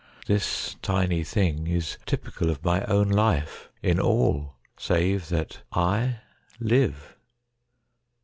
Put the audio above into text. This tiny thing is typical of my own life in all save that I live.